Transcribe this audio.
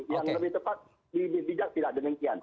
yang lebih tepat di bidang tidak ada demikian